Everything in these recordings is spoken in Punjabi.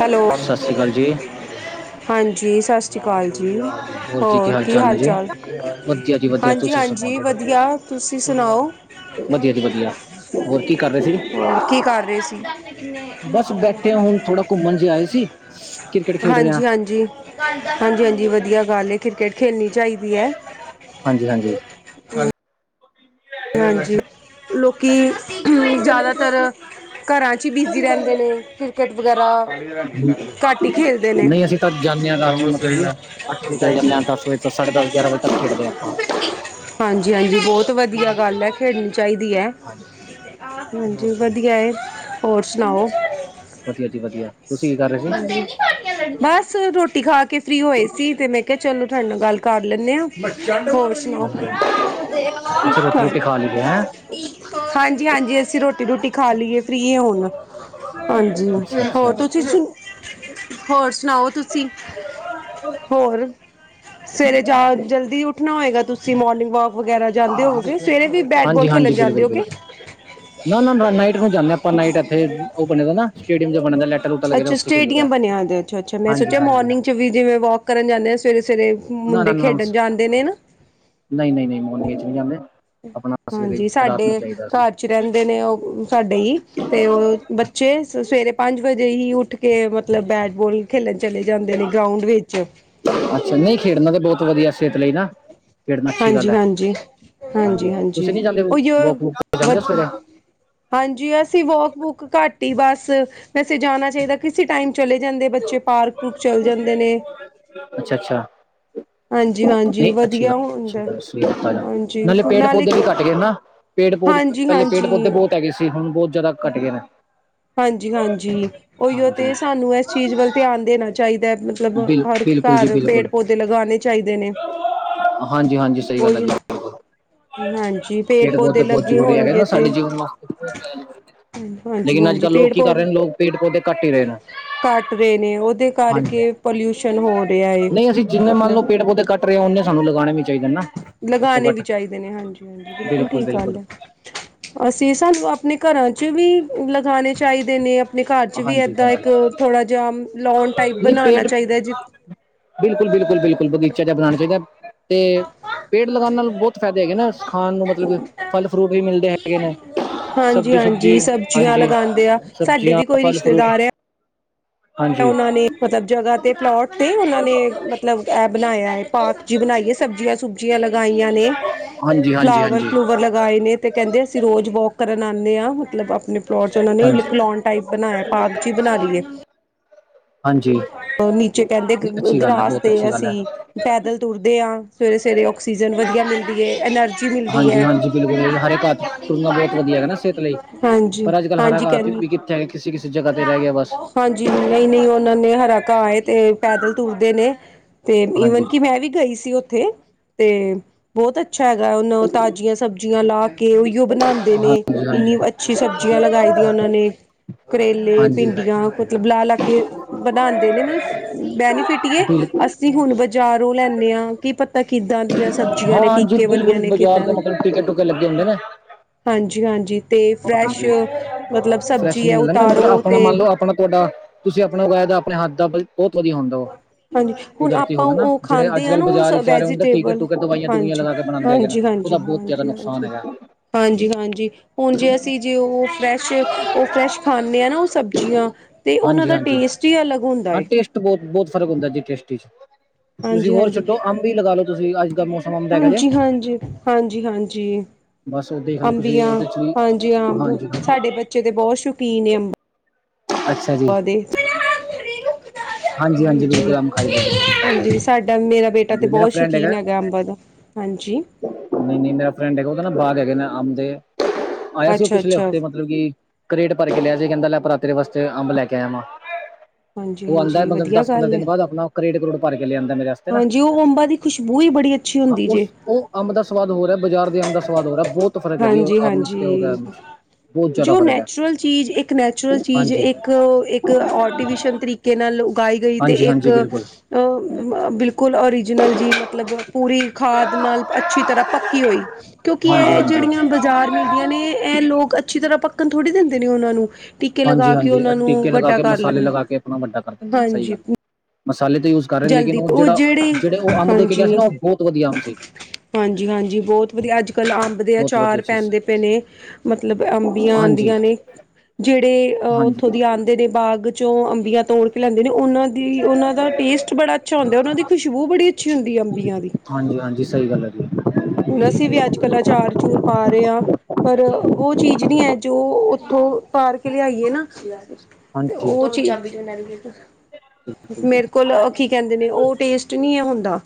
ਹੈਲੋ, ਸਤਿ ਸ੍ਰੀ ਅਕਾਲ ਜੀ ਹਾਂਜੀ, ਸਤਿ ਸ਼੍ਰੀ ਅਕਾਲ ਜੀ। ਹੋਰ ਕੀ ਹਾਲ ਚਾਲ ਵਧੀਆ ਜੀ ਵਧੀਆ ਤੁਸੀਂ ਸੁਣਾਓ ਹਾਂਜੀ-ਹਾਂਜੀ ਜੀ ਵਧੀਆ। ਤੁਸੀਂ ਸੁਣਾਓ ਵਧੀਆ ਜੀ ਵਧੀਆ ਹੋਰ ਕੀ ਕਰ ਰਹੇ ਸੀ ਹੋਰ ਕੀ ਕਰ ਰਹੇ ਸੀ? ਬਸ ਬੈਠੇ ਹੁਣ ਥੋੜਾ ਘੁੰਮਣ ਜਿਹੇ ਆਏ ਸੀ। ਕ੍ਰਿਕਟ ਖੇਡ ਰਹੇ ਹਾਂ ਹਾਂਜੀ-ਹਾਂਜੀ, ਹਾਂਜੀ-ਹਾਂਜੀ ਵਧੀਆ ਗੱਲ ਹੈ ਕ੍ਰਿਕਟ ਖੇਡਣੀ ਚਾਹੀਦੀ ਹੈ। ਹਾਂਜੀ-ਹਾਂਜੀ ਹਾਂਜੀ ਲੋਕੀ ਜ਼ਿਆਦਾਤਰ ਘਰਾਂ ਚ ਹੀ ਬਿਜ਼ੀ ਰਹਿੰਦੇ ਨੇ ਕ੍ਰਿਕਟ ਵਗੈਰਾ ਘੱਟ ਹੀ ਖੇਲਦੇ ਨੇ। ਨਹੀਂ ਅਸੀਂ ਤਾਂ ਜਾਂਦੇ ਹਾਂ ਰਾਤ ਨੂੰ ਕਮਸ ਮਤਲਬ ਕਿ ਰਦਾ ਅੱਠ ਵਜੇ ਚਲੇ ਜਾਂਦੇ ਸ ਹਾਂ ਦਸ ਵਜੇ ਤੋਂ ਸਾਢੇ ਦਸ ਗਿਆਰਾਂ ਵਜੇ ਤੱਕ ਖੇਡਦੇ ਹਾਂ ਆਪਾਂ [inaudible] ਹਾਂਜੀ-ਹਾਂਜੀ, ਬਹੁਤ ਵਧੀਆ ਗੱਲ ਹੈ, ਖੇਡਣੀ ਚਾਹੀਦੀ ਹੈ। ਹਾਂ ਜੀ, ਵਧੀਆ ਹੈ, ਹੋਰ ਸੁਣਾਓ? ਵਧੀਆ ਜੀ, ਵਧੀਆ। ਤੁਸੀਂ ਕੀ ਕਰ ਰਹੇ ਸੀ? [inaudible] ਬਸ ਰੋਟੀ ਖਾ ਕੇ ਫ਼੍ਰੀ ਹੋਏ ਸੀ, ਤੇ ਮੈਂ ਕਿਹਾ, ਚਲੋ ਤੁਹਾਡੇ ਨਾਲ ਗੱਲ ਕਰ ਲੈਂਨੇ ਆ। ਹਾਂਜੀ ਹਾਂਜੀ ਅੱਛਾ ਰੋਟੀ [inaudible] ਰੋਟੀ ਖਾ ਲਈ ਹੈ ਹਾਂਜੀ, ਹਾਂਜੀ। ਅਸੀਂ ਰੋਟੀ ਰੋਟੀ ਖਾ ਲਈ ਹੈ, ਫ਼੍ਰੀ ਹਾਂ ਹੁਣ। ਹਾਂਜੀ, ਅੱਛਾ ਅੱਛਾ ਹੋਰ ਤੁਸੀਂ ਸੁ, ਹੌਰ ਸੁਣਾਓ ਤੁਸੀਂ? ਹੋਰ ਸਵੇਰੇ ਜਾ ਜਲਦੀ ਉੱਠਣਾ ਹੋਵੇਗਾ, ਤੁਸੀਂ ਮੋਰਨਿੰਗ ਵਾਕ। ਵਗੈਰਾ ਜਾਂਦੇ ਹੋਵੋਗੇ। ਸਵੇਰੇ ਵੀ ਬੈਟ ਬਾਲ ਖੇਲਣ ਜਾਂਦੇ ਹੋ। ਨਾ-ਨਾ ਨਾਈਟ ਨੂੰ ਜਾਂਦੇ ਹਾਂ ਆਪਾਂ, ਨਾਈਟ ਇੱਥੇ ਉਹ ਬਣੇ ਹੋਏ ਨਾ, ਸ਼ੱਡੀਅਮ ਜਾ ਬਣਦੇਨੇ ਲਾਇਟਾ- ਲੁਟਾ ਲਗੇ ਨੇ ਅੱਛਾ ਉੱਥੇ। ਖੇਲੀ ਦਾ ਸਟੇਡੀਅਮ ਬਣਿਆ ਹੋ ਅੱਛਾ- ਅੱਛਾ, ਮੈਂ ਹਾਂਜੀ ਸੋਚਿਆ ਹਾਂਜੀ ਮੋਰਨਿੰਗ ਹਾਂਜੀ ਚ' ਵੀ। ਜਿਵੇਂ ਵਾਕ ਕਰਨ ਜਾਂਦੇ ਆ, ਸਵੇਰੇ-ਸਵੇਰੇ ਨਾ ਨਾ ਮੁੰਡੇ ਨਾ ਖੇਡਣ ਜਾਂਦੇ ਨੇ ਨਾ। ਨਹੀਂ- ਨਹੀਂ- ਨਹੀਂ। ਮੁੰਣਗੇ ਚ' ਨਹੀਂ ਜਾਂਦੇ। ਆਪਣਾ ਸਵੇਰੇ ਹਾਂਜੀ। ਸਾਡੇ ਰਾਤ ਨੂੰ ਚਾਹੀਦਾ ਸੀ ਘਰ ਚ' ਰਹਿੰਦੇ ਨੇ ਉਹ ਸਾਡੇ ਹੀ ਤੇ ਉਹ ਬੱਚੇ ਸਵੇਰੇ ਪੰਜ ਵਜੇ ਹੀ ਉੱਠ ਕੇ, ਮਤਲਬ ਬੈਟ-ਬਾਲ ਖੇਡਣ ਚਲੇ ਜਾਂਦੇ ਨੇ ਗਰਾਊਂਡ ਵਿੱਚ ਅੱਛਾ। ਨਹੀਂ ਖੇਡਣਾ ਤਾਂ ਬਹੁਤ ਵਧੀਆ ਸਿਹਤ ਲਈ ਨਾ। ਖੇਡਣਾ ਅੱਛੀ ਗੱਲ ਹਾਂਜੀ- ਹੈ ਹਾਂਜੀ- ਹਾਂਜੀ- ਤੁਸੀਂ ਹਾਂਜੀ। ਨੀ ਜਾਂਦੇ ਉਹੀ ਵੋਕ ਵੂਕ ਤੇ ਜਾਂਦੇ ਹੋ ਵਧ ਸਵੇਰੇ ਹਾਂਜੀ। ਅਸੀਂ ਵਾਕ-ਵੂਕ ਘੱਟ ਹੀ ਬਸ ਵੈਸੇ ਜਾਣਾ ਚਾਹੀਦਾ ਕਿਸੇ ਟਾਈਮ ਚਲੇ ਜਾਂਦੇ, ਬੱਚੇ ਪਾਰਕ ਪੁਰਕ ਚਲੇ ਜਾਂਦੇ ਨੇ। ਅੱਛਾ, - ਅੱਛਾ। ਹਾਂਜੀ ਹਾਂਜੀ ਨਹੀਂ, ਅੱਛੀ ਵਧੀਆ ਹੁੰਦਾ ਗੱਲ ਨਾਲੇ ਪੇੜ-ਪੌਦੇ ਵੀ ਘੱਟ ਗਏ ਨਾ। ਪੇੜ-ਪੌਦੇ ਹਾਂਜੀ ਪਹਿਲੇ ਪੇੜ-ਪੌਦੇ ਹਾਂਜੀ ਬਹੁਤ ਹੈਗੇ ਸੀ, ਹੁਣ ਬਹੁਤ ਜ਼ਿਆਦਾ ਘੱਟ ਗਏ ਨੇ। ਹਾਂਜੀ, ਹਾਂਜੀ, ਉਹੀਓ ਹਾਂਜੀ ਤੇ। ਸਾਨੂੰ ਇਸ ਚੀਜ਼ ਵੱਲ ਧਿਆਨ ਦੇਣਾ ਚਾਹੀਦਾ ਹੈ। ਮਤਲਬ ਬਿਲ ਹਰ ਬਿਲਕੁਲ ਜੀ ਘਰ ਬਿਲਕੁਲ ਪੇੜ-ਪੌਦੇ ਲਗਾਉਣੇ ਚਾਹੀਦੇ ਨੇ। ਹਾਂਜੀ ਹਾਂਜੀ ਸਹੀ ਗੱਲ ਹੈ ਉਹੀ ਜੀ ਹਾਂਜੀ ਪੇੜ ਪੌਦੇ ਬਹੁਤ ਲੱਗੇ ਜ਼ਰੂਰੀ ਹੈਗੇ ਨਾ ਹੋਣਗੇ ਤੇ ਸਾਡੇ ਜੀਵਨ ਲੇਕਿਨ ਅੱਜ ਹਾਂਜੀ-ਹਾਂਜੀ ਕੱਲ੍ਹ ਲੋਕ ਪੇੜ ਕੀ ਪੌ ਕਰ ਰਹੇ ਨੇ, ਲੋਕ ਪੇੜ ਪੌਦੇ ਕੱਟ ਹੀ ਰਏ ਨ। ਘੱਟ ਰਏ ਨੇ, ਓਦੇ ਕਰਕੇ ਪੋਲਿਊਸ਼ਨ ਹੋ ਰਿਆ ਏ, ਮਤਲਬ ਪਰ ਫੇਰ ਉਨੇ, ਸਾਨੂੰ ਲਗਾਉਣੇ ਵੀ ਚਾਹੀਦੇ ਨਾ। ਘੱਟੋ ਲਗਾਉਣੇ ਘੱਟ ਵੀ ਚਾਹੀਦੇ ਨੇ। ਹਾਂਜੀ, ਹਾਂਜੀ, ਬਿਲਕੁਲ ਠੀਕ ਗੱਲ ਹੈ। ਅਸੀਂ ਸਬ ਆਪਣੇ ਘਰਾਂ ਚ ਵੀ ਲਗਾਉਣੇ ਚਾਹੀਦੇ ਨੇ ਆਪਣੇ ਘਰ ਚ ਵੀ ਹਾਂਜੀ ਇੱਦਾਂ ਹਾਂਜੀ ਇੱਕ ਥੋੜਾ ਜਿਹਾ ਲੋਨ ਟਾਈਪ ਨਹੀਂ ਬਣਾਉਣਾ ਪੇੜ ਚਾਹੀਦਾ ਹੈ ਜੀ। ਬਿਲਕੁਲ ਬਿਲਕੁਲ ਬਿਲਕੁਲ ਬਗੀਚਾ ਜਿਹਾ ਬਣਾਉਣਾ ਚਾਹੀਦਾ ਤੇ ਪੇੜ, ਲਗਾਣ ਨਾਲ, ਬਹੁਤ ਫਾਇਦੇ ਹੈਗੇ ਨਾ ਉਸ 'ਚ ਨੇ ਹਾਂਜੀ- ਸਬਜ਼ੀ ਹਾਂਜੀ, ਸੁਬਜੀ ਸਬਜ਼ੀਆਂ ਹਾਂਜੀ ਲਗਾਂਦੇ ਆ। ਸਾਡੇ ਸਬਜ਼ੀਆਂ ਵੀ, ਕੋਈ ਫਲ ਫਰੂਟ ਰਿਸ਼ਤੇਦਾਰ ਐ ਹਾਂਜੀ ਉਨਾਂ ਨੇ, ਮਤਲਬ ਜਗ੍ਹਾ ਤੇ ਪਲੋਟ ਤੇ ਉਨਾਂ ਨੇ, ਮਤਲਬ ਐ ਬਣਾਇਆ ਏ ਪਾਰਕ ਜੀ ਬਣਾਈ ਏ ਸਬਜ਼ੀਆਂ- ਸੁਬਜ਼ੀਆਂ ਲਗਾਈਆਂ ਨੇ, ਹਾਂਜੀ ਹਾਂਜੀ ਫਲਾਵਰ ਹਾਂਜੀ -ਫਲੂਵਰ ਲਗਾਏ ਨੇ ਤੇ ਕੈਂਦੇ ਅਸੀਂ ਰੋਜ਼ ਵੋਕ ਕਰਨ ਆਂਨੇ ਆਂ ਮਤਲਬ ਆਪਣੇ ਪਲੋਟ ਚ ਉਹਨਾ ਨੇ ਹਾਂਜੀ [unintelligible] ਬਣਾਇਆ ਪਾਰਕ ਚ ਈ ਬਣਾ ਲਈਏ। ਹਾਂਜੀ ਨੀਚੇ, ਕੈੰਦੇ ਨਹੀਂ ਅੱਛੀ ਗੱਲ ਹੈ ਗਰਾਸ ਬਹੁਤ ਤੇ ਅੱਛੀ ਗੱਲ ਹੈ ਅਸੀਂ ਪੈਦਲ ਤੁਰਦੇ ਹਾਂ ਸਵੇਰੇ-ਸਵੇਰੇ ਆਕਸੀਜਨ ਵਧੀਆ ਮਿਲਦੀ ਹੈ ਐਨਰਜੀ ਮਿਲਦੀ ਹਾਂਜੀ, ਹੈ ਹਾਂਜੀ ਬਿਲਕੁਲ ਜ ਹਰੇ ਘਾਹ ਤੇ ਤੁਰਨਾ ਬਹੁਤ ਵਧੀਆ ਹੈਗਾ ਨਾ ਸਿਹਤ ਲਈ। ਹਾਂਜੀ ਪਰ ਅੱਜ ਕੱਲ੍ਹ ਹਰਾ ਹਾਂਜੀ ਘਾ ਕਹਿੰ ਵੀ ਚ ਕਿਸੀ ਕਿਸੀ ਜਗਾ ਤੇ ਰਹਿ ਗਿਆ ਬਸ। ਹਾਂਜੀ ਨਹੀਂ ਨਹੀਂ ਉਹਨਾਂ ਨੇ ਹਰਾ ਘਾਹ ਏ ਤੇ ਪੈਦਲ ਤੁਰਦੇ ਨੇ ਤੇ ਹਾਂਜੀ ਈਵਨ ਕਿ ਮੈਂ ਵੀ ਗਈ ਸੀ ਉੱਥੇ। ਤੇ ਬਹੁਤ ਅੱਛਾ ਹੈਗਾ ਉਹਨ ਤਾਜ਼ੀਆਂ ਸਬਜ਼ੀਆਂ ਲਾ ਕੇ ਕਿ ਉਹ ਬਣਾਦੇ ਨੇ ਹਾਂਜੀ ਹਾਂਜੀ ਇੰਨੀ ਅੱਛੀ ਸਬਜ਼ੀਆਂ ਲਗਾਈ ਦੀਆਂ ਉਹਨਾਂ ਨੇ। ਕਰੇਲੇ ਹਾਂਜੀ ਭਿੰਡੀਆ ਕੁਝ ਲਾ ਲਾ ਕੇ ਬਣਾਦੇ ਨੇ ਮਲਬ ਬੈਨੀ ਫਿਟੀਏ ਬਿਲਕੁਲ ਅਸੀਂ ਹੁਣ ਬਾਜ਼ਾਰੋਂ ਲੈਂਦੇ ਹਾਂ ਕੀ ਪਤਾ ਕਿੱਦਾਂ ਦੀਆਂ ਸਬਜ਼ੀਆਂ ਹਾਂ ਨੇ ਹਾਂਜੀ ਟੀਕੇ ਵਾਲੀਆਂ ਬਿਲਕੁਲ ਨੇ ਬਾਜ਼ਾਰ ਕਿੱਦਾਂ ਦੇ ਨੇ ਮਤਲਬ ਟੀਕੇ ਟੂਕੇ ਲੱਗੇ ਹੁੰਦੇ ਨੇ ਹਾਂਜੀ ਹਾਂਜੀ। ਅਤੇ ਫਰੈਸ਼ ਹਾਂਜੀ ਮਤਲਬ ਫਰੈਸ਼ ਸਬਜ਼ੀ ਨਹੀਂ ਹੈ ਮਿਲਦਾ ਨਾ ਮਤਲਬ ਉਤਾਰੋ ਆਪਣਾ ਅਤੇ ਮੰਨ ਲਓ ਆਪਣਾ ਤੁਹਾਡਾ ਤੁਸੀਂ ਆਪਣਾ ਉਗਾਇਆ ਦਾ ਆਪਣੇ ਹੱਥ ਦਾ ਬਹੁਤ ਵਧੀਆ ਹੁੰਦਾ ਵਾ। ਹਾਂਜੀ ਹੁਣ ਕੁਦਰਤੀ ਆਪਾਂ ਹੋਵੇ ਨਾ ਉਹ ਜਿਹੜੇ ਖਾਂਦੇ ਅੱਜ ਆ ਕੱਲ੍ਹ ਨਾ ਬਾਜ਼ਾਰ ਉਹ ਵਿਚ ਆਚਾਰ ਟੀਕੇ ਵੈਜੀਟੇਬਲ ਟੂਕੇ ਦਵਾਈਆਂ ਦਵਈਆਂ ਹਾਂਜੀ ਲਗਾ ਕੇ ਬਣਾਉਂਦੇ ਹੈਗੇ ਨੇ ਹਾਂਜੀ ਹਾਂਜੀ ਉਹਦਾ ਬਹੁਤ। ਜਿਆਦਾ ਹਾਂਜੀ ਨੁਕਸਾਨ ਹਾਂਜੀ ਹੈਗਾ। ਹਾਂਜੀ ਹਾਂਜੀ ਹੁਣ ਜੇ ਅਸੀਂ ਜੇ ਉਹ ਫਰੈਸ਼ ਉਹ ਫਰੈਸ਼ ਖਾਂਦੇ ਹਾਂ ਨਾ ਉਹ ਸਬ ਸੁਚੀਆਂ ਅਤੇ ਉਹਨਾਂ ਹਾਂਜੀ ਦਾ ਹਾਂਜੀ ਟੇਸਟ ਹੀ ਅਲੱਗ ਹੁੰਦਾ ਹਾਂ ਏ। ਟੇਸਟ ਬਹੁਤ- ਬਹੁਤ ਫ਼ਰਕ ਹੁੰਦਾ ਜੀ ਟੇਸਟੀ ਚ'। ਤੁਸੀਂ ਹਾਂਜੀ ਹੋਰ ਹਾਂਜੀ ਛੱਟੋ ਅੰਬ ਵੀ ਲਗਾ ਲੋ ਤੁਸੀਂ ਅੱਜ ਕੱਲਸ ਹਾਂਜੀ- ਹਾਂਜੀ- ਹਾਂਜੀ -ਹਾਂਜੀ। ਬਸ ਉਹ ਦੇਖ ਲਓ ਤੁਸੀਂ ਅੰਬੀਆਂ ਉਹਦੇ ਚ ਵੀ ਹਾਂਜੀ ਅਬ ਹਾਂਜੀ ਹਾਂਜੀ ਸਾਡੇ ਬੱਚੇ ਦੇ ਬਹੁਤ ਸ਼ੌਕੀਨ ਅੰਬ ਅੱਛਾ। ਜੀ ਹ ਹਾਂਜੀ ਹਾਂਜੀ ਬਿਲਕੁਲ ਅੰਬ ਖਾਈ ਦਾ ਜੀ ਹਾਂਜੀ। ਸਾਡਾ ਮੇਰਾ ਬੇਟਾ ਤਾਂ ਹਾਂਜੀ ਮੇਰਾ ਬਹੁਤ ਫਰੈਂਡ ਸ਼ੌਕੀਨ ਹੈਗਾ ਅੰਬਾ ਦਾ। ਹਾਂਜੀ। ਨਹੀਂ- ਨਹੀਂ ਮੇਰਾ ਫਰੈਂਡ ਹੈਗਾ ਉਹਦੇ ਨਾ ਬਾਗ ਹੈਗੇ ਨੇ ਆਮ ਦੇ। ਆਇਆ ਸੀ ਉਹ ਪਿਛਲੇ ਅੱਛਾ-ਅੱਛਾ, ਹਫ਼ਤੇ ਮਤਲਬ ਕਰੇਟ ਭਰ ਕੇ ਲਿਆ ਸੀ ਕਹਿੰਦਾ ਲੈ ਭਰਾਤਰੇ ਵਾਸਤੇ ਅੰਬ ਲੈ ਕੇ ਆਇਆ ਵਾ। ਉਹ ਆਂਦਾ ਹਾਂਜੀ-ਹਾਂਜੀ ਮਤਲਬ ਵਧੀਆ ਦਸ- ਪੰਦਰਾਂ ਗੱਲ ਏ। ਦਿਨ ਬਾਅਦ ਆਪਣਾ ਕਰੇੜ, ਕਰੋੜ ਭਰ ਕੇ ਲਿਆਦਾ ਮੇਰੇ ਵਾਸਤੇ ਨਾ ਹਾਂਜੀ, ਉਹ ਅੰਬਾ ਦੀ ਖੁਸ਼ਬੂ ਹੀ ਬੜੀ ਅੱਛੀ ਹਾਂ, ਹੁੰਦੀ ਉਸ ਜੇ, ਉਹ ਅੰਬ ਦਾ ਸਵਾਦ ਹੋ ਰੈ ਬਾਜ਼ਾਰ ਦੇ ਅੰਬ ਦਾ ਸਵਾਦ ਹੋ ਰਿਹਾ ਬਹੁਤ ਫਰਕ ਹੈ ਜੀ ਉਹ [unintelligible] ਆਪ ਨਸ਼ ਕੇ ਹੋ ਗਿਆ ਹਾਂਜੀ-ਹਾਂਜੀ। ਜੋ ਨੈਚੁਰਲ ਚੀਜ਼, ਇੱਕ ਨੈਚੁਰਲ ਚੀਜ਼ ਹਾਂਜੀ ਇੱਕ ਇੱਕ ਆਰਟੀਫਿਸ਼ਲ ਤਰੀਕੇ ਨਾਲ ਉਗਾਈ ਗਈ। ਤੇ ਹਾਂਜੀ ਇੱਕ ਹਾਂਜੀ ਬਿਲਕੁਲ ਬਿਲਕੁਲ, ਓਰੀਜਨਲ ਜੀਹੀ ਮਤਲਬ ਪੂਰੀ ਖਾਦ ਨਾਲ ਅੱਛੀ ਤਰ੍ਹਾਂ ਪੱਕੀ ਹੋਈ। ਕਿਉਂਕਿ ਹਾਂਜੀ ਇਹ ਹਾਂਜੀ ਜਿਹੜੀਆਂ ਬਾਜ਼ਾਰ ਮਹੀਨ ਆਂ ਨੇ ਇਹ ਲੋਕ ਅੱਛੀ ਤਰ੍ਹਾਂ ਪੱਕਣ ਥੋੜ੍ਹੀ ਦਿੰਦੇ ਨੇ ਉਹਨਾਂ ਨੂੰ। ਟੀਕੇ ਹਾਂਜੀ- ਲਗਾ ਕੇ ਹਾਂਜੀ ਉਹਨਾਂ ਨੂੰ ਟੀਕੇ ਲਗਾ ਵੱਡਾ ਕੇ, ਕਰ ਮਸਾਲੇ ਲੈਂਦੇ, ਲਗਾ ਕੇ ਆਪਣਾ ਵੱਡਾ ਕਰਦੇ ਸਹੀ ਹਾਂਜੀ ਗੱਲ। ਮਸਾਲੇ ਤੇ ਯੂ ਕਰਨ ਲੇਕਿਨ ਉਹ ਜਿਹੜਾ- ਜਿਹੜੇ ਉਹ ਅੰਬ ਦੇ ਕੇ ਗਿਆ ਸੀ ਹਾਂਜੀ ਨਾ ਉਹ ਬਹੁਤ ਵਧੀਆ ਅੰਬ ਸੀ। ਹਾਂਜੀ- ਹਾਂਜੀ ਬਹੁਤ ਵਧੀਆ ਅੱਜ ਕੱਲ੍ਹ ਆ ਵਦੇ ਬਹੁਤ ਵਧੀਆ ਆਚਾਰ ਚੀਜ਼ ਸੀ ਪੈਂਦੇ ਪਏ ਨੇ, ਮਤਲਬ ਅੰਬੀਆਂ ਹਾਂਜੀ ਆਉਂਦੀਆਂ ਨੇ। ਜਿਹੜੇ ਅਹ ਉੱਥੋਂ ਹਾਂਜੀ ਦੀ ਆਉਂਦੇ ਨੇ ਬਾਗ ਚੋਂ ਅੰਬੀਆਂ ਤੋੜ ਕੇ ਲੈਂਦੇ ਨੇ ਉਹਨਾਂ ਦੀ ਉਹਨਾਂ ਦਾ ਟੇਸਟ ਬੜਾ ਅੱਛਾ ਹੁੰਦਾ। ਉਹਨਾਂ ਦੀ ਖੁਸ਼ਬੂ ਬੜੀੱਛੀ ਹੁੰਦੀ ਹੈ ਅੰਬੀਆਂ ਦੀ। ਹਾਂਜੀ -ਹਾਂਜੀ ਸਹੀ ਗੱਲ ਹੈ। ਜੀ ਬਸ। ਅਸੀਂ ਵੀ ਅੱਜ ਕੱਲ੍ਹ ਅਚਾਰ- ਚੂਰ ਪਾ ਰਹੇ ਹਾਂ। ਪਰ ਉਹ ਚੀਜ਼ ਨਹੀਂ ਹੈ ਜੋ ਉੱਥੋਂ ਪਾਰ ਕੇ ਲਿਆਈਏ ਨਾ। ਤੇ ਹਾਂਜੀ ਉਹ ਚੀਜ਼ ਬਿਲਕੁਲ ਜੀ ਮੇਰੇ ਕੋਲ ਕੀ ਕਹਿੰਦੇ ਨੇ ਉਹ ਟੇਸਟ ਨਹੀਂ ਹੈ ਹੁੰਦਾ।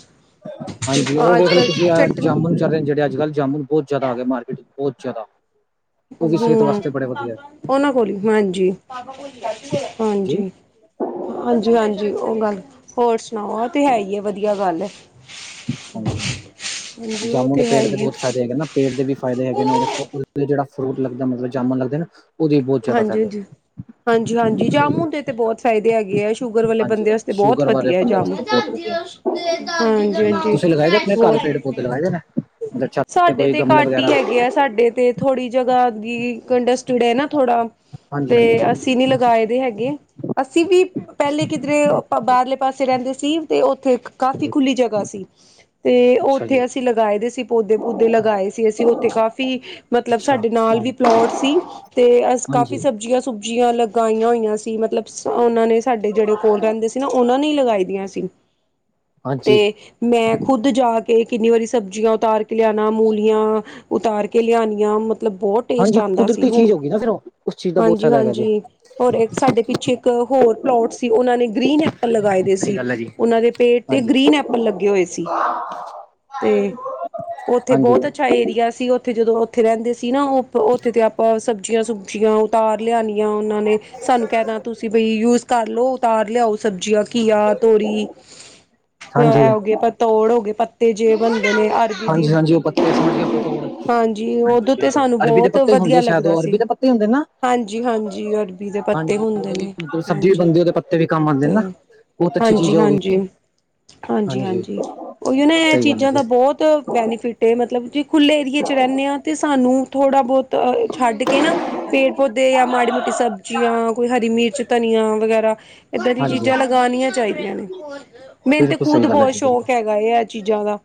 ਹਾਂਜੀ, ਉਹ ਅੱਜ ਵੇਖਲੋ ਤੁਸੀਂ ਕੱਲ੍ਹ ਆ ਚਟਨੀ ਜਾਮ ਚੱਲ ਜਿਹੜੇ ਅੱਜ ਕੱਲ੍ਹ ਜਾਮੁਨ ਨੂੰ ਬਹੁਤ ਜ਼ਿਆਦਾ ਆ ਗਏ ਮਾਰਕੀਟ ਚ' ਬਹੁਤ ਜ਼ਿਆਦਾ। ਉਹ ਹਮ, ਵੀ ਸਿਹਤ ਵਾਸਤੇ ਬੜੇ ਵਧੀਆ ਉਹਨਾਂ ਕੋਲ, ਹਾਂਜੀ ਜੀ, -ਹਾਂਜੀ। ਹਾਂਜੀ- ਹਾਂਜੀ ਉਹ ਗੱਲ, ਹੋਰ ਸੁਣਾਓ ਆ ਤੇ ਹੈ ਹੀ ਆ। ਵਧੀਆ ਗੱਲ। ਬ [unintelligible] ਜਾਮੂਨ ਦੇ ਪੇੜ ਦੇ ਬਹੁਤ ਫ਼ਾਇਦੇ ਹੈਗੇ ਨਾ ਪੇੜ ਦੇ ਵੀ ਫਾਇਦੇ ਹੈਗੇ ਨੇ ਉਹਦੇ ਹ ਫੂਟ ਲੱਗਦਾ ਜਾਮੁਨ ਲੱਗਦੇ। ਉਹਦੇ ਵੀ ਬਹੁਤ ਜ਼ਿਆਦਾ ਹਾਂਜੀ- ਫਾਇਦੇ ਹਾਂਜੀ- ਹੈਗੇ। ਹਾਂਜੀ- ਹਾਂਜੀ ਸਹੀ ਐ। ਜਾਮੁਨ ਦੇ ਤੇ ਬਹੁਤ ਫਾਇਦੇ ਹੈਗੇ ਆ। ਸ਼ੂਗਰ ਵਾਲੇ ਹਾਂਜੀ, ਬੰਦੇ ਵਾਸਤੇ ਬਹੁਤ ਸ਼ੂਗਰ ਵਾਲੇ ਵਧੀਆ ਬੰਦੇ ਜਾਮੁਨ। ਵਾਸਤੇ ਹਾਂਜੀ- ਬਹੁਤ ਹਾਂਜੀ ਵਧੀਆ, ਹੈ। ਹੋਰ ਨਾ ਸਾਡੇ ਤੇ ਘੱਟ ਹੀ ਹੈਗੇ ਆ। ਸਾਡੇ ਤੇ ਥੋੜ੍ਹੀ ਜਗ੍ਹਾ ਦੀ ਕੰਡਸਟਡ ਨਾ ਥੋੜਾ। ਤੇ ਹਾਂਜੀ-ਹਾਂਜੀ, ਅਸੀਂ ਨੀ ਲਗਾਏ ਦੇ ਹੈਗੇ। ਅਸੀਂ ਵੀ ਪਹਿਲੇ ਕਿਧਰੇ ਬਾਹਰਲੇ ਪਾਸੇ ਰਹਿੰਦੇ ਸੀ ਤੇ ਉੱਥੇ ਕਾਫੀ ਖੁੱਲੀ ਜਗ੍ਹਾ ਸੀ। ਤੇ ਔਹ ਅੱਛਾ ਜੀ, ਓਥੇ ਅਸੀਂ ਲਗਾਏ ਦੇ ਸੀ ਪੌਦੇ -ਪੂਦੇ ਲਗਾਏ ਸੀ, ਅਸੀਂ ਓਥੇ ਕਾਫ਼ੀ। ਮਤਲਬ ਅੱਛਾ, ਸਾਡੇ ਨਾਲ ਹਾਂ, ਵੀ ਪਲੋਟ ਸੀ। ਤੇ ਅਸ ਕਾਫੀ ਹਾਂਜੀ। ਸਬਜ਼ੀਆਂ -ਸੁਬਜ਼ੀਆਂ ਲਗਾਈਆਂ ਹੋਈਆਂ ਸੀ। ਮਤਲ ਮਤਲਬ ਸ ਔਨਾਂ ਨੇ ਸਾਡੇ ਜੇੜੇ ਕੋਲ ਰੈੰਦੇ ਸੀ ਨਾ ਓਹਨਾਂ ਨੇ ਲਗਾਈ ਦੀਆਂ ਸੀ। ਤੇ ਹਾਂਜੀ, ਮੈਂ ਖੁੱਦ ਜਾ ਕੇ ਕਿੰਨੀ ਵਾਰੀ ਸਬਜ਼ੀਆਂ ਉਤਾਰ ਕੇ ਲਿਆਣਾ, ਮੂਲੀਆਂ ਉਤਾਰ ਕੇ ਲਿਆਣੀਆਂ। ਮਤਲਬ ਬਹੁਤ ਟੇਸਟ ਆਂਦਾ ਸੀ। ਹੁ ਕਿਦਰੋ ਹਾਂਜੀ- ਹਾਂਜੀ, ਔਰ ਏਕ ਸਾਡੇ ਪਿੱਛੇ ਇੱਕ ਹੋਰ ਪਲੋਟ ਸੀ। ਔਨਾਂ ਨੇ ਗ੍ਰੀਨ ਐਪਲ ਲਗਾਏ ਦੇ ਸਹੀ ਸੀ ਗੱਲ ਐ ਜੀ। ਔਨਾਂ ਦੇ ਪੇੜ ਤੇ ਹਾਂਜੀ, ਗ੍ਰੀਨ ਐਪਲ ਲੱਗੇ ਹੋਏ ਸੀ। ਤੇ ਔਥੇ ਹਾਂਜੀ, ਬੌਤ ਅੱਛਾ ਏਰੀਆ ਸੀ ਔਥੇ ਜਦੋਂ ਔਥੇ ਰੈੰਦੇ ਸੀ ਨਾ ਓਹ ਓਥੇ ਤੇ ਆਪਾਂ ਸਬਜ਼ੀਆਂ- ਸੁਬਜ਼ੀਆਂ ਉਥ ਤਾਰ ਲਿਆਣੀਆ ਓਨਾਂ ਨੇ, ਸਾਨੂੰ ਕੈਣਾ ਤੁਸੀਂ ਬਈ ਯੂਜ ਕਰ ਲੋ ਉਤਾਰ ਲਿਆਓ ਸਬਜ਼ੀਆਂ-ਘੀਆ, ਤੋਰੀ ਹਾਂਜੀ, ਐ ਹੋਗੇ। ਤੋੜ ਹੋ ਗੇ ਪੱਤੇ ਜੇ ਬਣਦੇ ਨੇ ਅਰ ਹਾਂਜੀ ਹਾਂਜੀ, ਓਹ ਪਤੇ ਸਮਝਗੇ ਹਾਂਜੀ ਉਦੋਂ ਤੇ ਪਤੋੜ। ਸਾਨੂੰ ਅਰਬੀ ਦੇ ਬਹੁਤ ਪੱਤੇ ਵਧੀਆ ਹੁੰਦੇ ਸੈ਼ਦ ਲੱਗਦਾ ਓਹ ਸੀ ਅਰਬੀ ਦੇ ਪੱ ਤੇ ਹੁੰਦੇ ਨਾ। ਹਾਂਜੀ ਹਾਂਜੀ, ਅਰਬੀ ਦੇ ਪੱਤੇ ਹਾਂਜੀ ਹੁੰਦੇ ਉਹਦੇ ਨੇ, ਵੀ ਸਬਜ਼ੀ ਵੀ ਹਾਂਜੀ। ਬਣਦੀ ਉਹਦੇ ਪੱਤੇ ਵੀ ਕੰਮ ਆਉਂਦੇ ਨੇ ਤੇ ਨਾ ਬਹੁਤ ਅੱਛੀ ਚੀਜ਼ ਹੈ ਉਹ ਵੀ ਹਾਂਜੀ-ਹਾਂਜੀ, ਹਾਂਜੀ ਹਾਂਜੀ-ਹਾਂਜੀ ਓਹੀ ਨਾ ਐਹ ਸਹੀ ਗੱਲ ਹੈ ਚੀਜ਼ਾਂ ਜੀ ਦਾ ਬੌਤ ਬੈਨੀਫਿਟ ਏ ਮਤਲਬ ਕਿ ਖੁੱਲ੍ਹੇ ਏਰੀਏ 'ਚ ਰੈੰਣੇ ਆਂ ਤਾਂ ਸਾਨੂੰ ਥੋੜ੍ਹਾ ਬੌਤ ਛੱਡ ਕੇ ਨਾ ਪੇੜ ਪੌਦੇੇ ਯਾ ਮਾੜੀ ਮੋਟੀ ਸਬਜ਼ੀਆਂ ਕੋਈ ਹਰੀ-ਮਿਰਚ ਧਨੀਆਂ ਵਗੈਰਾ। ਏਦਾਂ ਦੀ ਹਾਂਜੀ ਚੀਜ਼ਾਂ ਲਗਾਣੀਆਂ ਚਾਹੀਦੀਆਂ ਨੇ, ਮੈਨੂੰ ਤੇ ਬਿਲਕੁਲ ਖੁਦ ਸਹੀ ਗੱਲ ਹੈ ਬੌਤ ਜੀ ਬਿਲਕੁਲ ਸ਼ੌਕ ਹੈ ਗਾਏ ਐਹ ਚੀਜ਼ਾਂ ਦਾ।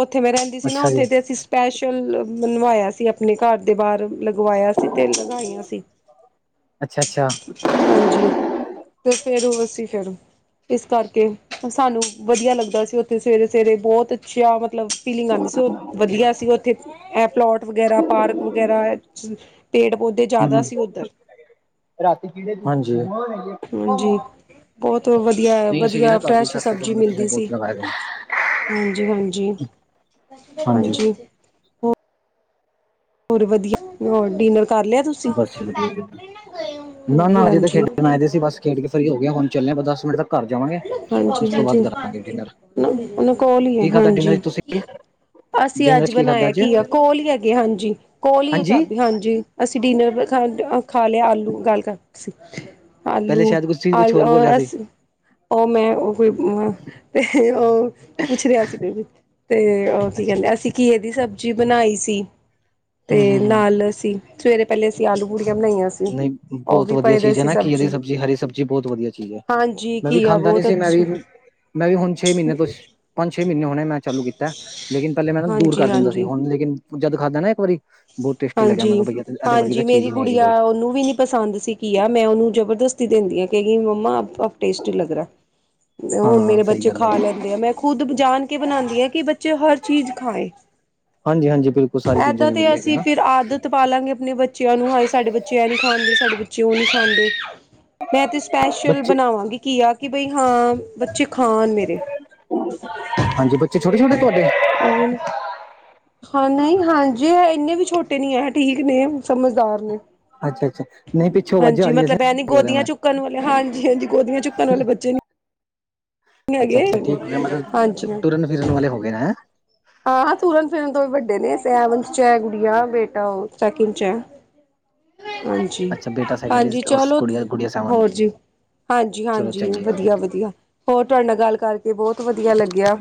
ਔਥੇ ਮੈਂ ਰੈੰਦੀ ਸੀ ਨਾ ਅੱਛਾ ਜੀ ਔਥੇ ਦੇਸੀ ਸਪੈਸ਼ਲ ਬਨਵਾਇਆ ਸੀ ਆਪਣੇ ਘਰ ਦੇ ਬਾਰ ਲਗਵਾਇਆ ਸੀ। ਤੇਲ ਲਗਾਈਆਂ ਸੀ, ਅੱਛਾ ਅੱਛਾ ਹਾਂਜੀ। ਤੇ ਫੇਰ ਓਹ ਅਸੀਂ ਫੇਰ ਇਸ ਕਰਕੇ ਸਾਨੂੰ ਵਧੀਆ ਲੱਗਦਾ ਸੀ ਔਥੇ ਸਵੇਰੇ-ਸਵੇਰੇ ਬੌਤ ਅੱਛਾ ਮਤਲਬ ਫੀਲਿੰਗ ਆਂਦੀ ਸੀ। ਵਧੀਆ ਸੀ ਔਥੇ ਐ ਪਲੋਟ ਵਗੈਰਾ, ਪਾਰਕ ਵਗੈਰਾ। ਐ ਪੇੜ ਪੌਦੇ ਹਮ ਜੈਦਾ ਹਮ ਸੀ ਔਧਰ। ਹਾਂਜੀ। ਬੌਤ ਵਧੀਐ, ਨਹੀਂ ਅਸੀਂ ਵੀ ਨਾ ਵਧੀਆ ਘਰ ਦੇ ਫਰੈਸ਼ ਛੱਤ ਤੇ ਸਬਜ਼ੀ ਗਮਲੇ ਮਿਲਦੀ ਸੀ। ਬਹੁਤ ਲਗਾਏ ਹੋਏ ਨੇ। ਹਾਂਜੀ ਹਾਂਜੀ, ਹਾਂਜੀ। ਹੋ ਹੋਰ ਵਧੀਆ, ਹੋਰ ਡਿਨਰ ਕਰ ਲਿਆ ਤੁਸ ਬਸ ਚ ਲਗੇ ਲੈਗੇ, ਨਾ-ਨਾ ਹਜੇ ਤੇ ਹਾਂਜੀ ਖੇਡਣ ਆਏ ਦੇ ਸੀ ਬਸ। ਖੇਡ ਕੇ ਫਰੀ ਹੋ ਗਿਆ, ਹੁਣ ਚੱਲਿਆ ਦਸ ਮਿੰਟ ਤੱਕ। ਘਰ ਜਾਵਾਂਗੇ ਹਾਂਜੀ ਉਸ ਤੋਂ ਬਾਅਦ ਕਰਾਂਗੇ ਡਿਨਰ ਹਾਂਜੀ, ਔਨਾਂ ਕੋਲ ਈ ਏ, ਕੀ ਖਾਧਾ ਡਿਨਰ ਹਾਂਜੀ। 'ਚ ਤੁਸੀਂ ਅਸੀਂ ਡਿਨਰ ਅੱਜ 'ਚ ਕੀ ਖਾਧਾ ਬਣਾਇਆ ਅੱਜ ਘੀਆ। ਕੋਲ ਹੀ ਹੈਗੇ ਹਾਂਜੀ ਕੋਲ ਹੀ ਏ ਹਾਂਜੀ ਚਾਬੀ, ਹਾਂਜੀ। ਅਸੀਂ ਡਿਨਰ ਖਾ ਖਾ ਲਿਆ ਆਲੂ ਗਾਲ ਕਰ। ਸੀ ਪਹਿਲੇ ਆਲੂ ਸ਼ਾਇਦ ਕੁਛ ਤੁਸੀਂ ਕੁਛ ਆਲ ਹੋਰ ਬੋਲਿਆ ਅ ਸੀ ਅਸ ਓਹ ਮੈਂ ਓਹ ਹੀ ਉੰ ਤੇ ਓਹ ਪੁੱਛ ਰਿਹਾ ਸੀ ਕੋਈ। ਤੇ ਔ ਕੀ ਅੱਛਾ ਕੈੰਦੇ ਅੱਛਾ ਅਸੀਂ ਕੀ ਘੀਏ ਦੀ ਸਬਜ਼ੀ ਬਣਾਈ ਸੀ, ਹਮ ਤੇ ਹਮ ਹਮ ਨਾਲ ਅਸੀਂ ਸਵੇਰੇ ਪੈਲੇ ਅਸੀਂ ਆਲੂ-ਪੂੜੀਆਂ ਬਣਾਈਆਂ ਸੀ ਨਹੀਂ ਓਹ ਬਹੁਤ ਵੀ ਵਧੀਆ ਪਏ ਦੇ ਚੀਜ਼ ਹੈ ਸੀ ਨਾ ਘੀਏ ਦੀ ਸਬਜ਼ੀ। ਹਰੀ ਸਬਜ਼ੀ ਬਹੁਤ ਵਧੀਆ ਚੀਜ਼ ਹੈ ਹਾਂਜੀ ਮੈਂ ਵੀ ਕੀ ਖਾਂਦਾ ਨੀ ਸੀ ਮੈਂ ਵੀ। ਮੈਂ ਵੀ ਹੁਣ ਛੇ ਮਹੀਨੇ ਤੋਂ ਪੰਜ-ਛੇ ਮਹੀਨੇ ਹੁਣੇ ਮੈਂ ਚਾਲੂ ਕੀਤੈ, ਲੇਕਿਨ ਪਹਿਲੇ ਮੈਂ ਨਾ ਦੂਰ ਹਾਂਜੀ ਕਰ ਦਿੰਦਾ ਸੀ, ਹਾਂਜੀ ਹੁਣ ਲੇਕਿਨ ਜਦ ਖਾਧਾ ਨਾ ਇੱਕ ਵਾਰੀ ਬਹੁਤ ਟੇਸਟੀ ਲੱਗਿਆ ਹਾਂਜੀ ਮੈਂ ਕਿਹਾ ਬਈ ਇਹਦੇ ਵਰਗੀ ਤਾਂ ਹਾਂਜੀ, ਚੀਜ਼ ਮੇਰੀ ਹੀ ਨਹੀਂ ਹੈਗੀ ਗੂੜੀਆ ਕੋਈ ਓਹਨੂੰ ਵੀ ਨੀ ਪਸੰਦ ਸੀ ਘੀਆ ਮੈਂ ਔਨੂੰ ਜਬਰਦਸਤੀ ਦੇੰਦੀ ਆ। ਕਹਿੰਦੀ ਮੰਮਾ ਅਬ ਟੇਸਟੀ ਲੱਗ ਰੇ। ਹੁਣ ਹਾਂ ਮੇਰੇ ਸਹੀ ਬੱਚੇ ਗੱਲ ਖਾ ਹੈ ਲੈਂਦੇ ਆ ਮੈਂ ਖੁਦ ਜਾਣ ਕੇ ਬਨਾਂਦੀ ਆਂ ਕਿ ਬੱਚੇ ਹਰ ਚੀਜ਼ ਖਾਏ। ਹਾਂਜੀ ਹਾਂਜੀ, ਬਿਲਕੁਲ ਸਾਰੀ ਚੀਜ਼ਾਂ ਏਦਾਂ ਤੇ ਜ਼ਰੂਰੀ ਹੈਗੀ ਅਸੀਂ ਨਾ। ਫਿਰ ਆਦਤ ਪਾਾਲਾਂਗੇ ਆਪਣੇ ਬੱਚਿਆਂ ਨੂੰ ਹਾਏ ਸਾਡੇ ਬੱਚੇ ਇਹ ਨੀ ਖਾਂਦੇ ਸਾਡੇ ਬੱਚੇ ਉਹ ਨੀ ਖਾਂਦੇ ਮੈਂ ਤੇ ਸਪੈਸ਼ਲ ਬੱਚੇ ਬਣਾਵਾਂਗੀ ਘੀਆ ਕਿ ਬਈ ਹਾਂ ਬੱਚੇ ਖਾਣ ਮੇਰੇ ਹਾਂਜੀ ਬੱਚੇ ਛੋਟੇ -ਛੋਟੇ ਤੁਹਾਡੇ? ਉਹੀ ਹਾਂ ਨਹੀਂ ਹਾਂਜੀ ਇੰਨੇ ਵੀ ਛੋਟੇ ਨੀ ਏ ਠੀਕ ਨੇ ਸਮਝਦਾਰ ਨੇ ਅੱਛਾ -ਅੱਛਾ ਨਹੀਂ ਪਿੱਛੋਂ ਵੱਜ ਆ ਹਾਂਜੀ ਰਹੀਆਂ ਸੀ ਮਤਲਬ ਇਹ ਨੀ ਗੋਦੀਆਂ ਮੈਂ ਚੁੱਕਣ ਵਾਲੇ ਹਾਂਜੀ- ਹਾਂਜੀ ਗੋਦੀਆਂ ਚੁੱਕਣ ਵਾਲੇ ਬੱਚੇ ਨੇ ਅੱਛਾ ਅੱਛਾ ਹੋ ਗਿਆ ਮਤਲਬ ਹਾਂਜੀ ਹਾਂ ਤੁਰਨ ਫਿਰਨ ਵਾਲੇ ਹੋ ਗਏ ਨਾ ਹਾਂ, ਤੁਰਨ ਫਿਰਨ ਤੋਂ ਵੀ ਵੱਡੇ ਨੇ ਸੇਵੇਣ ਚ ਹੈ ਗੁੜੀਆ ਬੇਟਾ ਚੈਕਿੰਗ ਚ ਹੈ। ਹਾਂਜੀ- ਅੱਛਾ ਬੇਟਾ ਸੈਕਿੰਡ ਇਜ਼ ਹਾਂਜੀ ਉਸ ਚਲੋ ਗੁੜੀਆ ਗੁੜੀਆ ਸੈਵਨ ਹੋਰ ਜੀ ਹਾਂਜੀ- ਚਲੋ ਹਾਂਜੀ ਚੰਗੀ ਗੱਲ ਵਧੀਆ- ਚੰਗੀ ਵਧੀਆ ਗੱਲ ਹੋਰ ਤੁਹਾਡੇ ਨਾਲ ਗੱਲ ਕਰਕੇ, ਬਹੁਤ ਵਧੀਆ ਲੱਗਿਆ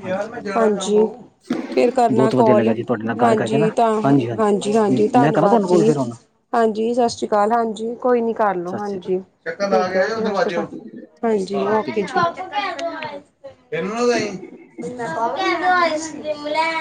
ਹਾਂਜੀ, ਫੇਰ ਕਰਨਾ ਬਹੁਤ ਵਧੀਆ ਲੱਗਿਆ ਕੋਲ, ਜੀ ਤੁਹਾਡੇ ਨਾਲ ਗੱਲ ਕਰਕੇ ਨਾ ਹਾਂਜੀ ਤਾਂ ਹਾਂਜੀ ਹਾਂਜੀ ਹਾਂਜੀ--ਹਾਂਜੀ ਮੈਂ ਕਰਾਂ ਧੰਨਵਾਦ ਤੁਹਾਨੂੰ ਕੋਲ ਜੀ। ਫਿਰ ਹੁਣ ਹਾਂਜੀ, ਸਤਿ ਸ਼੍ਰੀ ਅਕਾਲ, ਹਾਂਜੀ ਕੋਈ ਨੀ ਕਰਲੋ, ਸਤਿ ਸ਼੍ਰੀ ਹਾਂਜੀ- ਅਕਾਲ ਹਾਂਜੀ ਹਾਂਜੀ -ਹਾਂਜੀ ਓਕੇ ਜੀ [unintelligible] [inaudible]